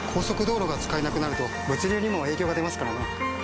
速道路が使えなくなると物流にも影響が出ますからね。